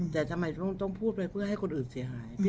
แต่ทำไมต้องพูดไปเพื่อให้คนอื่นเสียหาย